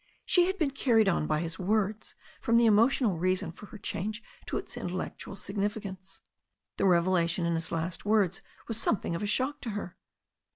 She had been carried on by his words from the emotional reason for her change to its intellectual significance. The revelaticm in his last words was something of a shock to her.